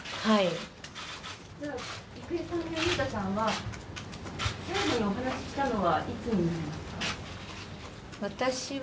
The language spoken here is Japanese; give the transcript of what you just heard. じゃあ、郁恵さん、裕太さんは、最後にお話ししたのはいつになりますか。